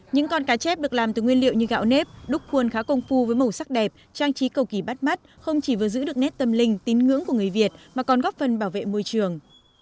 những con cá chép được làm từ nguyên liệu như gạo nếp đúc khuôn khá công phu với màu sắc đẹp trang trí cầu kỳ bắt mắt không chỉ vừa giữ được nét tâm linh tín ngưỡng của người việt mà còn góp phần bảo vệ môi trường